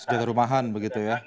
senjata rumahan begitu ya